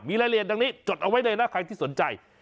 มีรายละเอียดดังนี้จดเอาไว้เลยนะใครที่สนใจ